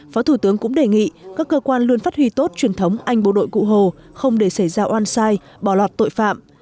phó thủ tướng cũng đề nghị các cơ quan luôn phát huy tốt truyền thống anh bộ đội cụ hồ không để xảy ra oan sai bỏ lọt tội phạm